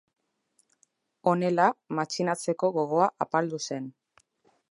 Honela, matxinatzeko gogoa apaldu zen.